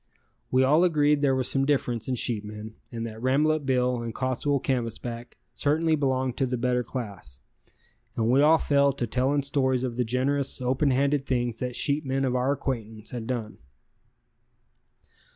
We all agreed there was some difference in sheepmen, and that Rambolet Bill and Cottswool Canvasback certainly belonged to the better class, and we all fell to telling stories of the generous, open handed things that sheepmen of our acquaintance had done.